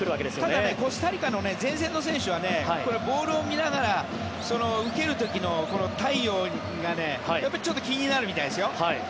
ただコスタリカの前線の選手はボールを見ながら受ける時の太陽がちょっと気になるみたいです。